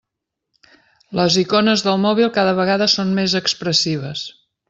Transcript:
Les icones del mòbil cada vegada són més expressives.